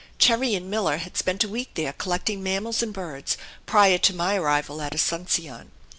Cherrie and Miller had spent a week there collecting mammals and birds prior to my arrival at Asuncion.